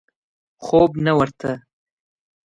خوب نه ورته.